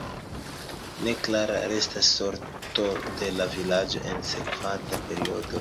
Neklara restas sorto de la vilaĝo en la sekvanta periodo.